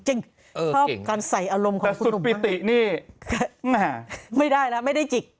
ชอบการใส่อารมณ์ของคุณหนุ่มมากแต่สุดปิตินี่ไม่ได้นะไม่ได้จิก